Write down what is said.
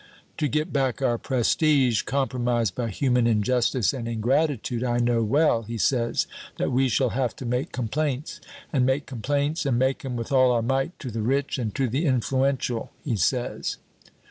To get back our prestige, compromised by human injustice and ingratitude, I know well,' he says, 'that we shall have to make complaints, and make complaints and make 'em with all our might, to the rich and to the influential!' he says."